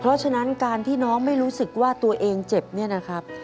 เพราะฉะนั้นการที่น้องไม่รู้สึกว่าตัวเองเจ็บเนี่ยนะครับ